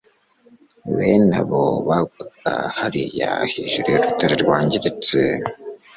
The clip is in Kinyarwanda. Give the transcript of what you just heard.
bene abo bagwaga hariya hejuru y'urutare rwangiritse